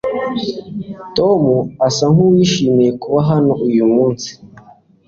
Tom asa nkuwishimiye kuba hano uyu munsi